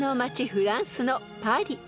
フランスのパリ］